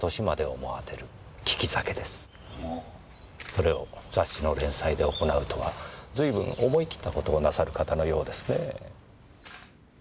それを雑誌の連載で行うとは随分思い切った事をなさる方のようですねぇ。